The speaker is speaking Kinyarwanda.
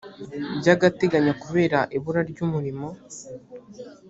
by’agateganyo kubera ibura ry’umurimo